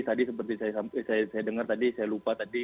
tadi seperti saya dengar tadi saya lupa tadi